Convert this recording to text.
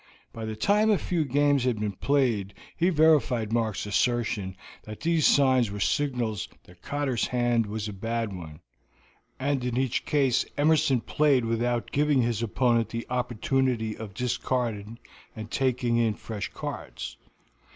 By the time a few games had been played he verified Mark's assertion that these signs were signals that Cotter's hand was a bad one, and in each case Emerson played without giving his opponent the opportunity of discarding and taking in fresh cards.